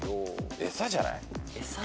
エサじゃない？